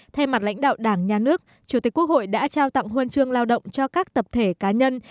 thay mặt lãnh đạo đảng nhà nước chủ tịch quốc hội đã trao tặng huân chương lao động cho các tập thể cá nhân